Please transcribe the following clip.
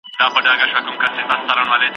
نه ټیک لري په پزه، نه پر سرو شونډو پېزوان